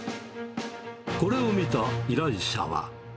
これを見た依頼者は。